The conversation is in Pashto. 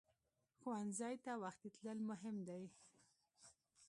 ښوونځی ته وختي تلل مهم دي